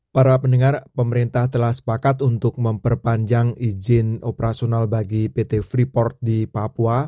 para pendengar pemerintah telah sepakat untuk memperpanjang izin operasional bagi pt freeport di papua